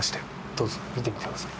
どうぞ見てみてください。